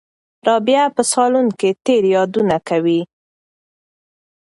رابعه په صالون کې تېر یادونه کوي.